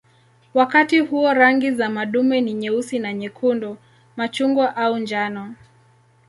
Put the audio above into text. Wakati huo rangi za madume ni nyeusi na nyekundu, machungwa au njano.